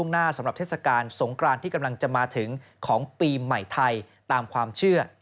เพราะฉะนั้นถ้าเราอยากจะใส่ที่มาเข้ามาสู่การเมือง